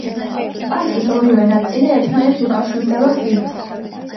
პარკის ორივე ნაწილი ერთმანეთს უკავშირდება ხიდით.